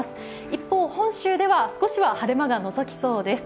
一方、本州では少しは晴れ間がのぞきそうです。